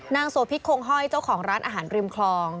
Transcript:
โสพิษคงห้อยเจ้าของร้านอาหารริมคลอง